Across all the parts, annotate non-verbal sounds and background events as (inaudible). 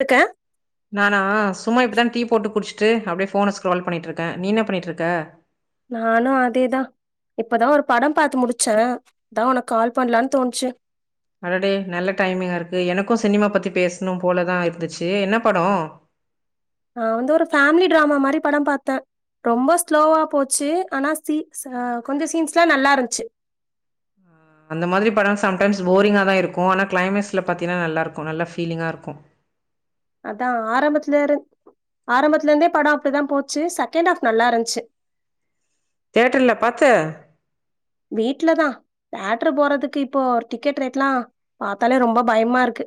இருக்கேன் நானா சும்மா இப்போ தா டீ போட்டு குடிச்சிட்டு அப்டியே ஃபோன ஸ்க்ரேல் பண்ணிட்டுருக்கே நீ என்ன பண்ணிட்டுருக்கே நானு அதேதா இப்பத ஒரு படம் பாத்து முடிச்சே அத உனக்கு கால் பண்ணலானு தோணுச்சு அடடே நல்ல டைமிங்கா இருக்கு எனக்கு சினிமா பத்தி பேசணு போலத இருந்துச்சு என்ன படோ ஆ வந்து ஒரு ஃபேமிலி டிராமா மாரி பட பாத்தே ரொம்ப ஸ்லோவா போச்சு ஆனா சீ ச கொஞ்சோ சீன்ஸ்ல்லா நல்லா இருந்துச்சு அந்த மாரி பட சம்டைம்ஸ் போரிங்கா தா இருக்கு ஆனா கிளைமேக்ஸ்ல பாத்தீன்னா நல்லாருக்கு நல்லா பீலிங்கா இருக்கு அதா ஆரம்பத்துலே இரு ஆரம்பத்துலே இருந்தே படம் அப்டிதா போச்சு செகண்ட் ஹாப் நல்லா இருந்துச்சு தேட்டர்ல பாத்த வீட்லத தேட்டரு போறதுக்கு இப்போ டிக்கெட் ரேட்லா பாத்தாலே ரொம்ப பயமா இருக்கு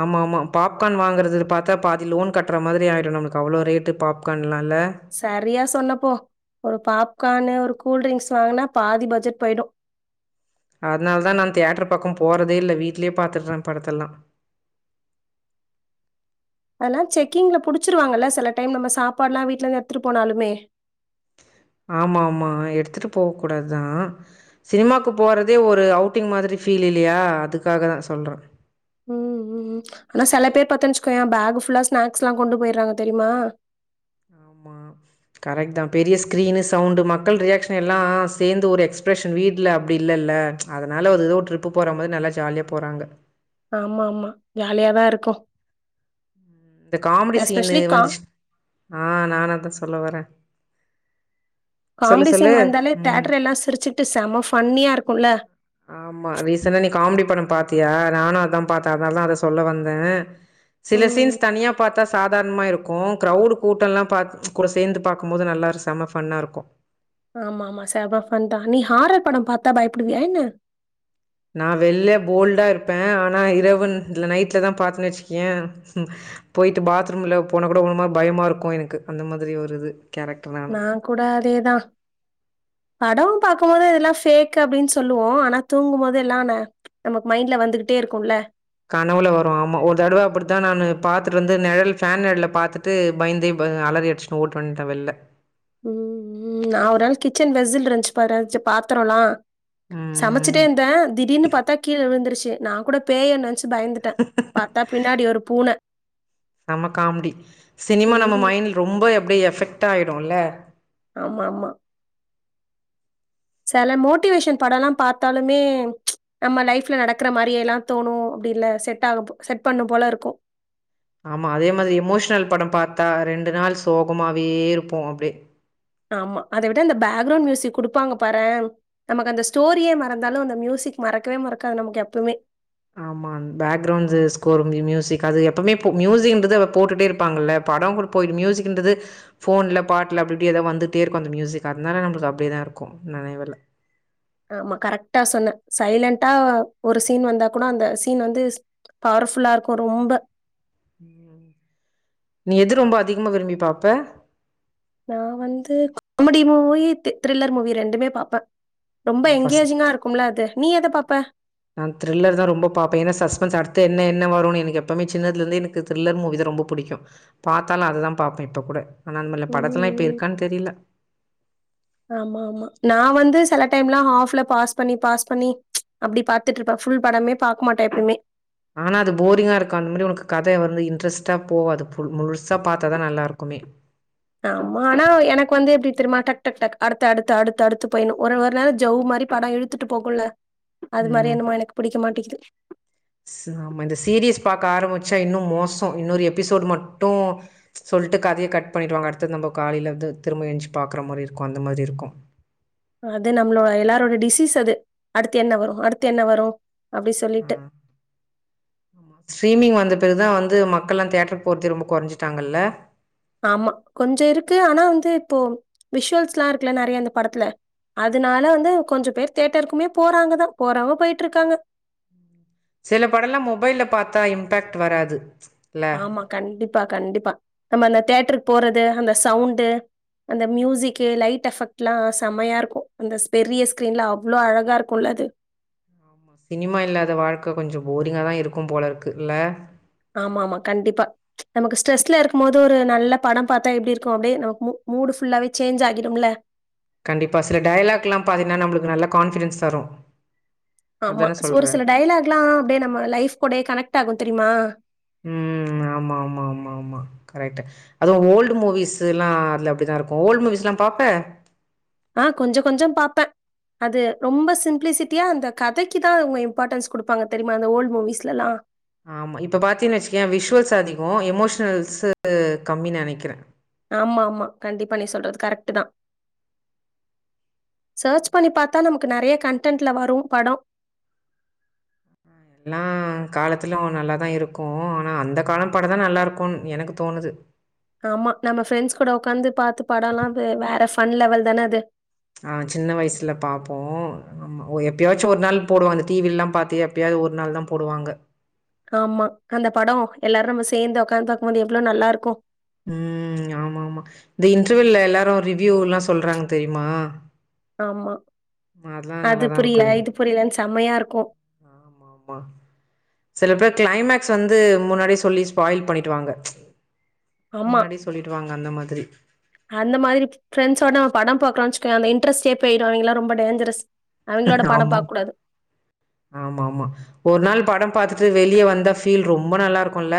ஆமா ஆமா பாப்கான் வாங்குறது பாத்தா பாதி லோன் கட்டுற மாரி ஆயிடு நம்மளுக்கு அவ்ளோ ரேட்டு பாப்கான்ல இல்ல சரியா சொன்னப்போ ஒரு பாப்கானு ஒரு கூல் டிரிங்க்ஸ் வாங்கனா பாதி பட்ஜெட் போயிடு அதனாலத நா தேட்டர் பக்க போறதே இல்ல வீட்லயே பாத்துடுறே படத்த எல்லா அதெல்லா செக்கி்ங்ல புடிச்சிருவாங்கல்ல செல டைம் நம்ம சாப்பாடுலா வீட்ல இருந்து எடுத்துட்டு போனாலுமே ஆமா ஆமா எடுத்துட்டு போக கூடாது தா சினிமாவுக்கு போறதே ஒரு அவுட்டிங் மாதிரி ஃபீல் இல்லையா அதுக்காக தா சொல்றே ம் ம் ம் ஆனா செல பேர் பாத்தேனு வச்சுக்கேயே பேக் ஃபுல்லா ஸ்நாக்ஸ்லா கொண்டு போயிறாங்க தெரியுமா ஆமா கரெக்ட் தா பெரிய ஸ்கிரீனு சவுண்டு் மக்கள் ரியாக்க்ஷன் எல்லா சேர்ந்து ஒரு எக்ஸ்பிரெஷன் வீட்டுல அப்டி இல்லல அதனால ஒரு ஏதோ ஒரு ட்ரிப் போற மாரி நல்லா ஜாலியா போறாங்க ஆமா ஆமா ஜாலியாதா இருக்கு இந்த காமெடி சீனு எஸ்பெஷலி கா வந்துச்சு ஆ நானு அதா சொல்ல வரே காமெடி சீன் வந்தாலே தேட்டர் எல்லா சிரிச்சுட்டு செம ஃபன்னியா இருக்குலே ஆமா ரீசெண்டா நீ காமெடி படம் பாத்தியா நானு அதா பாத்தே அதனாலதா அத சொல்ல வந்தே சில ம். சீன்ஸ் தனியா பாத்தா சாதாரணமா இருக்கு கரவுடு கூட்ட எல்லா பாத்து கூட சேர்ந்து பாக்கு போது நல்லா ஒரு செம ஃபன்னா இருக்கு ஆமா ஆமா செம ஃபன் தா நீ ஹாரர் படம் பாத்தா பயப்புடுவியா என்ன நா வெள்ல போல்டா இருப்பே ஆனா இரவுனு இல்ல நைட்ல தா பாத்தேன்னு வச்சுக்குயே போயிட்டு பாத்ரூம்ல போன கூட ஒரு மா பயமா இருக்கு எனக்கு அந்த மாதிரி ஒரு இது கேரக் நான் கூட அதேதா படம் பாக்கு போது இதெல்லா ஃபேக் அப்டின்னு சொல்லுவோ ஆனா தூங்கு போது எல்லானு நமக்கு மைண்ட்ல வந்துகிட்டே இருக்கும்ல கனவுல வரு ஆமா ஒரு தடுவ அப்டித்த நானு பாத்துட்டு வந்து நிழல் ஃபேன் நிழல பாத்துட்டு பயந்து அலறி அடிச்சு ஓடி வந்துட்டே வெள்லே ம் நா ஒரு நாள் கிச்சன் வெஸில் இருந்துச்சு பாரு பாத்தரோலா ம் ம். சமச்சிட்டே இருந்தே திடீர்னு பாத்தா கீழே விழுந்துருச்சு நா கூட பேய்யே நெனச்சு பயந்துட்டே பாத்தா பின்னாடி ஒரு பூனை செம காமெடி சினிமா நம்ம ம். மைண்ட் ரொம்ப எப்டியோ எஃபெக்ட் ஆயிடும்ல ஆமா ஆமா செல மோட்டிவேஷன் படம்லா பாத்தாலுமே நம்ம லைஃப்ல நடக்கற மாரியேலா தோணு அப்டி இல்ல செட் ஆகப் செட் பண்ணு போல இருக்கும் ஆமா அதே மாரி எமோஷனல் படம் பார்த்தா ரெண்டு நாள் சோகமாவே இருப்போ அப்டி ஆமா அத விட அந்த பேக் கிரவுண்ட் மியூசிக் குடுப்பாங்கபாறே நமக்கு அந்த ஸ்டோரியே மறந்தாலு அந்த மியூசிக் மறக்கவே மறக்காது நமக்கு எப்பமே ஆமா பேக்கிரவுண்ட்ஸ் ஸ்கோர் தீ மியூசிக் அது எப்பமே போ மியூசிக்ன்றது அத போட்டுட்டே இருப்பாங்கல்ல படம் (unintelligible) மியூசிக்ன்றது ஃபோன்ல பாட்டுல அப்டி இப்டி எதாது வந்துட்டே இருக்கு அந்த மியூசிக் அதனால நம்பளுக்கு அப்டியே தா இருக்கு நெனைவர்ல ஆமா கரெக்டா சொன்ன சைலன்டா ஒரு சீன் வந்தா கூட அந்த சீன் வந்து பவர் ஃபுல்லா இருக்கு ரொம்ப ம் நீ எது ரொம்ப அதிகமா விரும்பி பாப்ப நா வந்து காமெடி மூவி திரில்லர் மூவி ரெண்டுமே பாப்பே ரொம்ப நா ஃபஸ்ட் எங்கேஜிங்கா இருக்கும்ல அது நீ எத பாப்ப நா திரில்லர் தா ரொம்ப பாப்பே ஏனா சஸ்பன்ஸ் அடுத்து என்ன என்ன வருனு எனக்கு எப்பமே சின்னதுல இருந்து எனக்கு திரில்லர் மூவிதா ரொம்ப பிடிக்கு பாத்தாலு அதுதா பாப்பே இப்ப கூட ஆனா அந்த (unintelligible) படத்துல இப்ப ம். இருக்கான்னு தெரில ஆமா ஆமா நா வந்து சில டைம்ல்லா ஹாஃப்ல பாஸ் பண்ணி பாஸ் பண்ணி அப்டி பாத்துட்டு இருப்ப ஃபுல் படமே பாக்க மாட்ட எப்பேமே ஆனா அது போரிங்கா இருக்கு அந்த மாதிரி உனக்கு கதை வந்து இன்ட்ரெஸ்டா போவாது ஃபுல் முழுசா பாத்ததா நல்லாருக்குமே ஆமா ஆனா எனக்கு வந்து எப்டி தெரியுமா டக் டக் டக் அடுத்த அடுத்து அடுத்து அடுத்து போயிடுனு ஒரு ஒருநாள் ஜவ் மாரி படோ இழு இழுத்துட்டு போகுல அது மாரி என்னமோ எனக்கு புடிக்க மாட்டிக்குது நம்ம இந்த சீரிஸ் பாக்க ஆரம்பிச்சா இன்னு மோசோ இன்னொரு எபிசோடு மட்டு சொல்ட்டு கதைய கட் பண்ணிடுவாங்க அடுத்தது நம்ம காலையில வந்து திரும்ப எந்ச்சு பாக்குற மாரி இருக்கு அந்த மாரி இருக்கு அது நம்மளோ எல்லாரோட டிசீஸ் அது அடுத்து என்ன வரு அடுத்து என்ன வரு அப்டி சொல்லிட்டு ஸ்ரீர்மிங் வந்த பிறகுதா வந்து மக்கள்ல்லா தேட்டர் போரத ரொம்ப கொறஞ்சுட்டாங்கல்ல ஆமா கொஞ்சோ இருக்கு ஆனா வந்து இப்போ விஷுவல்ஸ்ல்லா இருக்குல நெறையா இந்த படத்துல அதனால வந்து கொஞ்சோ பேர் வந்து தேட்டருக்குமே போறாங்க தா போறவங்க போய்ட்டு இருக்காங்க சில படல்லா மொபைல்ல பாத்தா இம்பேக்ட் வராது இல்ல ஆமா கண்டிப்பா கண்டிப்பா நம்ம அந்த தேட்ருக்கு போறது அந்த சவுண்டு அந்த மியூசிக்கு லைட் எஃபெக்ட்லா செமையா இருக்கு அந்த பெரிய ஸ்க்ரீனல அவ்ளோ அழகா இருக்குல்ல அது சினிமா இல்லாத வாழ்க்க கொஞ்சோ போரிங்காக தா இருக்கு போல இருக்கு இல்ல ஆமா ஆமா கண்டிப்பா நமக்கு ஸ்ட்ரெஸ்ல இருக்கும்போது ஒரு நல்ல படம் பாத்தா இருக்கு அப்டியே நமக் மூ மூடு ஃபுல்லாவே சேஞ் ஆகிடும்ல கண்டிப்பாக சில டயலாக்கெலா பாத்தீங்கன்னா நம்மளுக்கு நல்ல கான்ஃபிடென்ஸ் தரு ஆமா அதான சொல்ற ஒரு சில டைலாக் ல்லா அப்டியே நம்ம லைஃப் கூட கனெக்ட் ஆகு தெரியுமா ம் ஆமா ஆமா ஆமா ஆமா ஆமா கரெக்ட் அதுவு ஓல்டு மூவிஸ்ல்லா அதுல அப்டிதா இருக்கு ஓல்டு மூவிஸ்ல்லா பாப்ப ஆ கொஞ்சொ கொஞ்சொ பாப்பே அது ரொம்ப சிம்பப்ளிசிட்டியா அந்த கதைக்கு தா அவுங்க இம்பார்ட்டன்ஸ் குடுப்பாங்க தெரியுமா அந்த ஓல்டு மூவவிஸ்லல்லா ஆமா இப்ப பாத்தீன் வச்சிக்கியே விஷுவல்ஸ் அதிகோ எமோஷனல்ஸ்சு கம்மினு நெனக்கிறே ஆமா ஆமா கண்டிப்பா நீ சொல்றது கரெக்ட் தா சர்ச் பண்ணி பாத்தா நமக்கு நெறைய கன்டென்ட்ல வரும் படோ எல்லா காலத்துலு நல்லா தா இருக்கு ஆனா அந்த காலம் படம் தா நல்லா இருக்குன்னு எனக்கு தோணுது ஆமா நம்ம ஃப்ரெண்ட்ஸ் கூட உக்காந்து பாத்து படல்லா அது வேற ஃபன் லெவல் தான அது ஆ சின்ன வயசுல பாப்போ ஆமா எப்பயாச்சு ஒரு நாள் போடுவாங்க டிவி எல்லா பாத்து எப்பயாவது ஒரு நாள் தா போடுவாங்க ஆமா அந்த படம் எல்லாரு நம்ம சேர்ந்து உடக்காந்து பாக்குபோது எவ்ளோ நல்லாருக்கு ம் ஆமா ஆமா இந்த இன்டர்வுல எல்லாரு ரிவ்யூல்லா சொல்றாங்க தெரியுமா ஆமா அதெல்லாம் நல்லா அது தான் இருக்கும் புரியல இது புரியலன்னனு செம்மையா இருக்கு ஆமா சில பேர் கிளைமக்ஸ் வந்து முன்னாடியே சொல்லி ஸ்பாயில் பண்ணிடுவாங்க ஆமா. முன்னாடி சொல்லிடுவாங்க அந்த மாதிரி அந்த மாதிரி ஃப்ரெண்ஸ்வோட படம் பாக்கலனுச்சக்கோ அந்த இண்ட்ரஸ்டே போயிடும் அவங்களாம் ரொம்ப டேஞ்சரஸ் அவங்களோட படம் ஆமா பாக்கக்கூடாது. ஆமா ஆமா ஒரு நாள் படம் பாத்துட்டு வெளிய வந்த ஃபீல் ரொம்ப நல்லா இருக்குல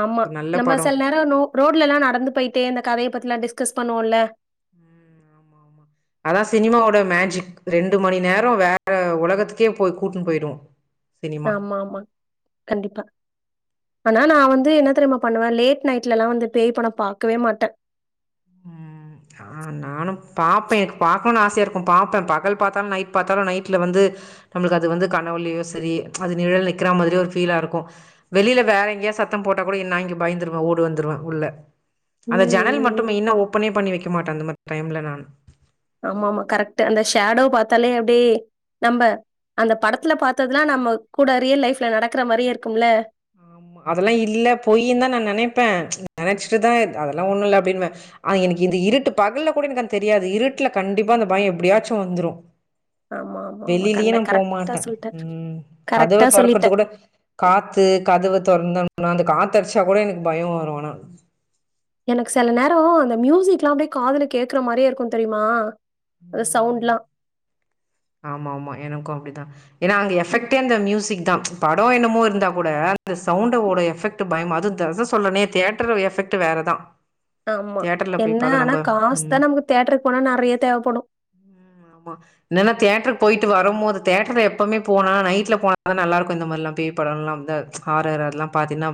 ஆமா நம்ம சில நேர ரோட்ல எல்லா நடந்து போயிட்டே இந்த கதய பத்தில்லா டிஸ்கஸ் பண்ணுவோல்ல அதான் சினிமாவோட மேஜிக் ரெண்டு மணி நேரம் வேற உலகத்துக்கே போய் கூட்டுன்னு போயிடு சினிமா ஆமா ஆமா கண்டிப்பா ஆனா நா வந்து என்ன தெரியம பண்ணுவேன் லேட் நைட் எல்லா வந்து பேய் படம் பாக்கவே மாட்ட ம் ஆ நானும் பாப்பேன் எனக்கு பாக்கணும்னு ஆசையாக இருக்கு பார்ப்பேன் பகல் பாத்தாலும் நைட் பாத்தாலும் நைட்டில வந்து நம்மளுக்கு அது வந்து கனவுளையோ சரி அது நிழல் நிற்கிற மாதிரியே ஒரு ஃபீலாக இருக்கு வெளியில வேற எங்கேயா சத்தம் போட்டா கூட நா இங்க பயந்துடுவ ஓடி வந்துடுவ உள்ள அந்த ஜனல் மட்டு ம். மேயினா ஓப்பனே பண்ணி வைக்க மாட்டே அந்த மாரி டைம்ல நான் ஆமா ஆமா கரெக்ட் அந்த ஷேடோ பாத்தாலே அப்டே நம்ம அந்த படத்துல பார்த்ததெல்லா நம்ம கூட ரியல் லைஃப்ல நடக்கற மாரியே இருக்கும்ல அதெல்லா இல்ல பொயி தா நா நெனைப்பே நெனச்சிட்டுதா அதெல்லா ஒண்ணு இல்ல அப்டின்னுவே அ எனக்கு இந்த இருட்டு பகல்ல கூட எனக்கு அ தெரியாது இருட்டுல கண்டிப்பா அந்த பயம் எப்படியாச்சு வந்துடு ஆமா, ஆமா, ஆமா. வெளிலயே கண்ட நா கரெக்ட்டா போமாட்ட சொல்ட்ட. ம் கதவ கரெக்ட்டா சொல்லிட்ட. துறக்கறது கூட காத்து கதவ தொறந்தும்னா அந்த காத்த அடிச்சா கூட எனக்கு பயம் வரும் ஆனா எனக்கு செல நேரம் அந்த மியூசிக் லா அப்டியே காதுல கேக்குற மாரியே இருக்கு தெரியுமா சவுண்ட்லா ஆமா ஆமா எனக்கு அப்டிதா ஏன்னா அங்க எஃபெக்டே ம். அந்த மியூசிக் தா படம் என்னமோ இருந்தா கூட அந்த சவுண்டோட எஃபெக்ட் டு பயமே அது (unintelligible) சொல்றனே தியட்டர் எஃபெக்ட் வேறதா ஆமா என்ன ஆனா காசு ம். தா நமக்கு தேட்டருக்கு போனா நெறைய தேவப்படு ம் ஆமா என்னன்னா தேட்டருக்கு போயிட்டு வரும்போது தேட்டர் எப்பவுமே போன நைட்டில போனா தா நல்லாருக்கு இந்த மாரிலா பேய் படலா (unintelligible) ஹாரர் அதெல்லா பாத்தீங்கன்னா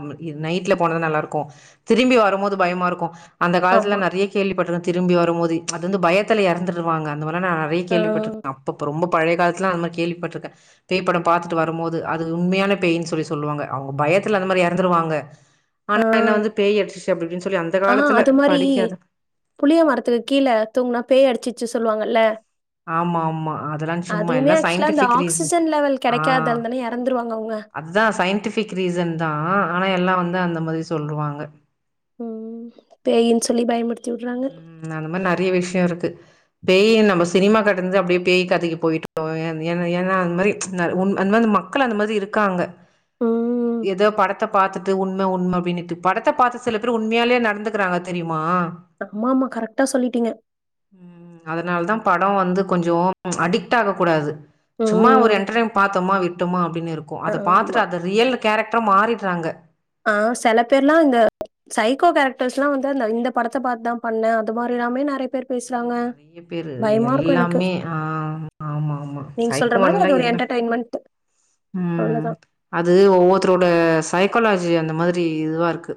நைட்ல போனதா நல்லா இருக்கு திரும்பி வருபோது பயமா இருக்கு அந்த காலத்தில ஆமா. நெறைய கேள்விப்பட்டிருக்கு திரும்பி வரும்போது அது வந்து பயத்தில இறந்துடுவாங்க அந்தல மார்ல நெறைய ஆ, கேள்விப்பட்டிருக்கே அப்ப ரொம்ப பழயகாலத்துல அந்தமாரி கேள்விப்பட்டிருக பேய் படம் பார்த்துட்டு வரும்போது அது உண்மையான பேயினு சொல்லி சொல்லுவாங்க அவங்க பயத்தில அந்த மாரி இறந்துடுவாங்க ஆ, ஆனா என்ன வந்து பேய்யடுச்சு அப்படி இப்படின்னு சொல்லி அந்த ஆ காலத்துல அது மாரி படிக்காத புளிய மரத்துக்கு கீழே தூங்குனா பேய் அடிச்சிச்சு சொல்லுவாங்கல்ல ஆமா ஆமா அதெல்லா சும்மா அதுமே எல்லா ஆக்சுவலா அந்த சயின்டிபிக் ரீசன் ஆக்சிஜன் லெவல் கிடைக்காதுந்தன்னே இறந்துருவாங்க அவங்க அதா சயின்டிபிக் ரீசன் தா ஆனா எல்லா வந்து அந்த மாரி சொல்லுவாங்க ஓ பேயினு சொல்லி பயமுடுத்தி விடுறாங்க ம் அந்த மாரி நெறைய விஷயம் இருக்கு பேய் நம்ம சினிமா கட்டறது அப்டியே பேய் கதைக்கு போயிட்டோ ஏ ஏன்னா ஏன்னா அந்த மாரி உன் அந்த மாரி நம்ம மக்கள் அந்த மாரி இருக்காங்க ம். ஏதோ படத்த பாத்துட்டு உண் உண்ம உண்ம அப்டினுட்டு படத்த பாத்து சில பேர் உண்மையாலே நடந்துக்கறாங்க தெரியுமா ஆமாமா கரெக்டா சொல்லிட்டீங்க ம் அதனால தா படோ வந்து கொஞ்சோ அடிக்ட் ஆக கூடாது சும்மா ஒரு ம். என்டர்டைம் பாத்தோமா விட்டோமா அப்டின் இருக்கு அத ஆமா. பாத்துட்டு அத ரியல் கேரக்ட்ரா மாறிட்றாங்க ஆ செல பேர்லா இந்த சைக்கோ கேரக்டர்ஸ்லா வந்து அந்த இந்த படத்த பாத்தாம் பண்ணே அது மாரில்லாமே நறைய பேர் ஐயோ பேசுறாங்க நறைய பேரு பயமா இருக்கு எனக்கு எல்லாமே ஆ ஆமாமா நீங்க சொல்ற மாரி சைக்கோமாடுலா அது ஒரு எல்லா என்டர்டெயின்மெண்ட் ம் அவ்ளோதா அது ஒவ்வொர்த்தரோட சைக்காலாஜி அந்த மாதிரி இதுவா இருக்கு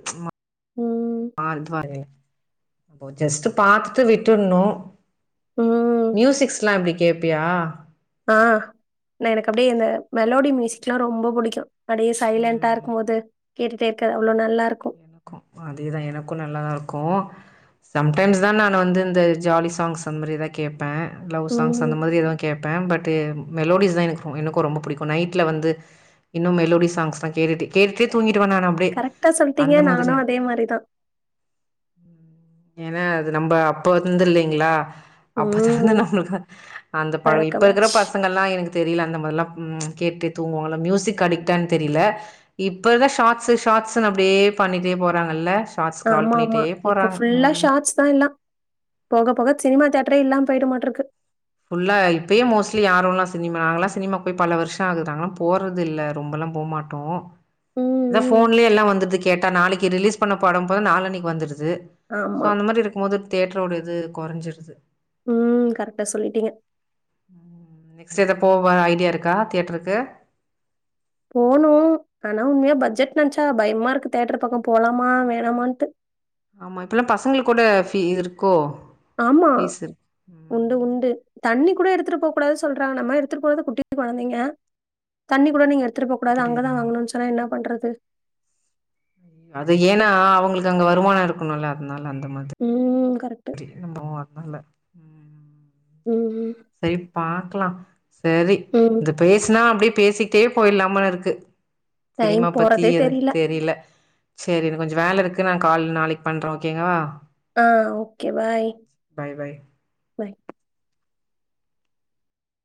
ம் (unintelligible) ஜஸ்டு பாத்துட்டு விட்டுணு ம் மியூசிக்ஸ்லா‌ எப்டி கேப்பியா ஆ இன்ன எனக்கு அப்டியே இந்த மெலோடி மியூசிக்ல்லா ரொம்ப புடிக்கு அப்டியே சைலெண்டா ம் இருக்கும்போது கேட்டுட்டே இர்க்க அவ்ளோ நல்லாருக்கு கு அதேதா எனக்கு நல்லாதா இருக்கு சம்டைம்ஸ் தா நானு வந்து இந்த ஜாலி சாங்ஸ் அந்த மாரி ஏதா கேப் பே லவ் சாங்ஸ் ம் அந்த மாரி எதாத் கேப்பே பட்டு மெலோடிஸ்தா எனக் ரொம் எனக்கு ரொம்ப புடிக்கு நைட்ல வந்து இன்னு மெலோடி சாங்ஸ்ல்லா கேட்டுடே கேட்டே தூங்கிடுவே நானு அப்டே டா சொல்ட்டீங்க நானு அதே மாரிதா ஏனா அது நம்ப அப்ப வந்ததுல்லீங்ளா அப்பதலந்து ம் நம்புளுக்ல அந்த பழ்ய இப்ப இருக்கிற பழக்கமாச்சு பசங்கள்லா எனக் தெரில அந்த மாதிர்ல்லா ம் கேட்டு தூங்குவோல மியூசிக் அடிக்டான் தெரில இப்பதா ஷார்ட்ஸ்ஸு ஷார்ட்ஸுனு அப்டியே பண்ணிட்டே போறாங்கள்ள ஆமாமா இப்ப ஃபுல்லா ஷாட்ஸ் தா எல்லா போக போக சினிமா தேட்ரே இல்லாம போயிடுமாட்ருக்கு ஃபுல்ல இப்பயு மோஸ்ட்லி யாருலா சினிமா நாங்களா சினிமாக் போய் பல வர்ஷ ஆகுது நாங்ளா போறதில்ல ரொம்பலா போமாட் டோம் ம் அதா ம் போன்லே எல்லா வந்திட்து கேட்டா நாளைக்கு ரிலீஸ் பண்ண படம் போ நாலன்னைக் வந்துர்து இப்ப ஆமா அந்த மாரி இருக்கும்போது தேட்ரோட இது குறைஞ்சிருது ம் கர்டா சொல்ட்டீங்க நெக்ஸ்ட்டு எதா போவ ஐடியா இருக்கா தியேட்ருக்கு போணு ஆனா உண்மையா பட்ஜெட் நென்ச்சா பயமா இருக்கு தேட்ரு பக்கம் போலாமா வேணாமான்ட்டு ஆமா இப்பலா பசங்களுக் கூட பீ இது இருக்கோ ஆமா ஃபீஸ் இருக்கு உண்டு ம் உண்டு தண்ணி கூட எடுத்துட்டு போவ் கூடாது சொல்றாங்க நம்ம எடுத்துட் போறது குட்டிகுட்டி கொழந்தைங்க தண்ணி கூட நீங்க எடுத்துட்டு போ கூடாது அப்படியா அங்கதா வாங்ணுன் சொன்னா இன்ன பண்றது அது ஏனா அவுங்ளுக்கு அங்க வருமான இருக்குணுல அதனால அந்த மாதிரி ம் கரட் திரும்பவு வர்தில்ல ம் ம் செரி பாக்கிலா செரி ம். இந்த பேச்னா அப்டியே பேசிக்கிட்டே போய்ட்லா போல இருக்கு டைம் சினிமா பத்தி போறதே எது தெரியல. தெரியில செரி இன்னு கொஞ்ச வேல இருக்கு நா கால் நாளைக் பண்றே ஓகேங்களா ஆ ஓகே பாய் பை பை பாய்.